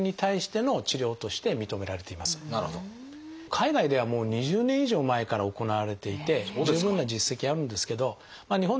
海外ではもう２０年以上前から行われていて十分な実績あるんですけど日本でもようやくですね